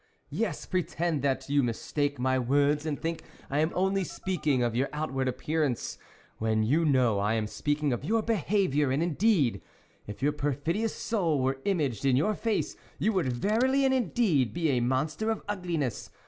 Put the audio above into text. yes, pretend that you mistake my words and think I am only speaking of your outward appearance, when you know I am speaking of your behaviour ... and, indeed, if your perfidious soul were imaged in your face, you would verily and indeed be a monster of ugliness.